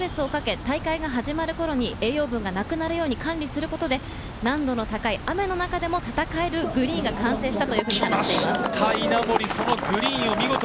芝にストレスをかけ大会が始まる頃に栄養分がなくなるように管理することで難度の高い雨の中でも戦えるグリーンが完成したと話しています。